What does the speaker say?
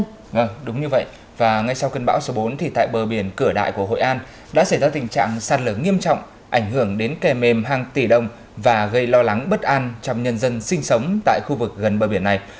đúng như vậy và ngay sau cơn bão số bốn thì tại bờ biển cửa đại của hội an đã xảy ra tình trạng sạt lở nghiêm trọng ảnh hưởng đến kè mềm hàng tỷ đồng và gây lo lắng bất an trong nhân dân sinh sống tại khu vực gần bờ biển này